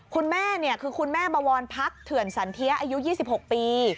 คุณแม่คือคุณแม่บวรพักเถื่อนสันเทียอายุ๒๖ปี